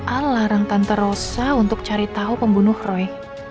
al larang tante rossa untuk cari tahu pembunuh roy